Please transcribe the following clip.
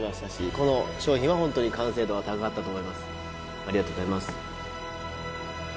この商品はホントに完成度が高かったと思います